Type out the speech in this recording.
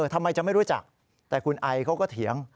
ทำไมจะไม่รู้จักแต่คุณไอเขาก็เถียง